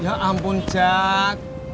ya ampun jack